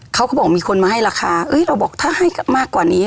เขาก็บอกมีคนมาให้ราคาเราบอกถ้าให้มากกว่านี้